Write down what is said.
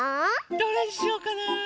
どれにしようかな。